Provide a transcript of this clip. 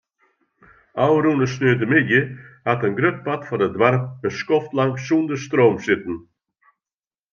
Ofrûne sneontemiddei hat in grut part fan it doarp in skoftlang sonder stroom sitten.